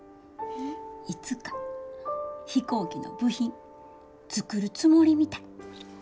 いつか飛行機の部品作るつもりみたい。